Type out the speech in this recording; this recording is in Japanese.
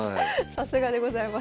さすがでございます。